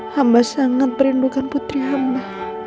hamba sangat merindukan putri hamba